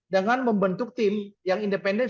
dengan membentuk tim yang independen